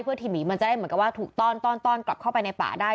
เพื่อทีหมีมันจะได้เหมือนกับว่าถูกต้อนกลับเข้าไปในป่าได้